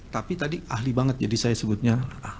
tapi tadi ahli banget jadi saya sebutnya